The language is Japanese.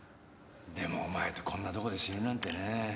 でもお前とこんなとこで死ぬなんてね。